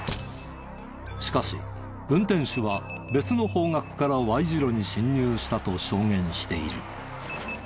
しかし運転手は別の方角からＹ字路に進入したと証言している。